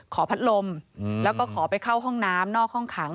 ขอพัดลมแล้วก็ขอไปเข้าห้องน้ำนอกห้องขัง